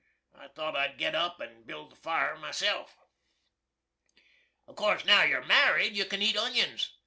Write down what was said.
I thought I'd git up and bild the fire myself. Of course now you're marrid you can eat onions.